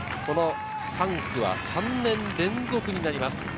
３区は３年連続になります。